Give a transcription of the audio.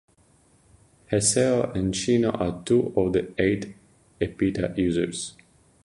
Haseo and Shino are two of the eight Epitaph Users.